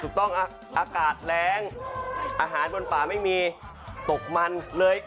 อากาศแรงอาหารบนป่าไม่มีตกมันเลย